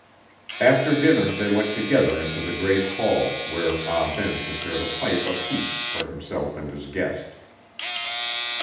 After dinner they went together into the great hall, where Ah Ben prepared a pipe apiece for himself and his guest.